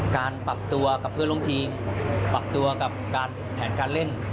การปรับตัวกับเพื่อนร่วมทีมปรับตัวกับการแผนการเล่น